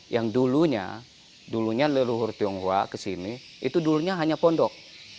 yang dulunya dulunya leluhur tionghoa kesini itu dulunya hanya pondok